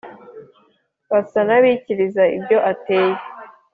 basa n’abikiriza ibyo ateye.